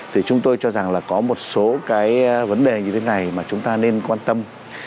thì chúng tôi cho rằng là có một số cái vấn đề như thế này mà chúng ta nên quan tâm